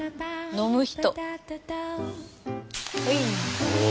飲む人！